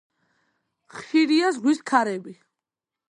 ხშირია ზღვის ქარები.